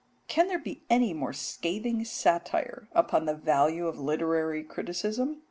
Can there be any more scathing satire upon the value of literary criticism?